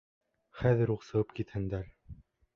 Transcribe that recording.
Хәҙер үк сығып китһендәр!